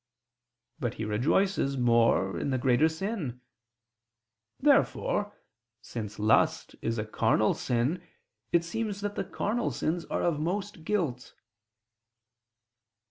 But he rejoices more in the greater sin. Therefore, since lust is a carnal sin, it seems that the carnal sins are of most guilt.